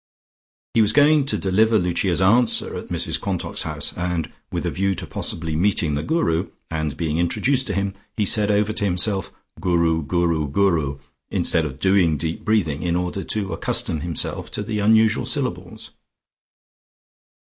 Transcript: He was going to deliver Lucia's answer at Mrs Quantock's house, and with a view to possibly meeting the Guru, and being introduced to him, he said over to himself "Guru, Guru, Guru" instead of doing deep breathing, in order to accustom himself to the unusual syllables.